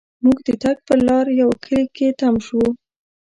مونږ د تګ پر لار یوه کلي کې تم شوو.